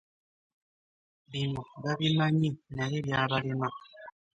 Bino babimanyi naye byabalema.